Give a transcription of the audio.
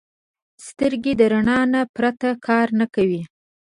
سترګې د رڼا نه پرته کار نه کوي